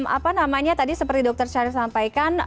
apa namanya tadi seperti dokter syarif sampaikan